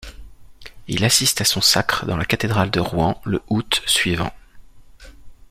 Il assiste à son sacre dans la cathédrale de Rouen le août suivant.